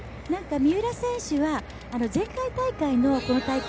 三浦選手は前回大会の。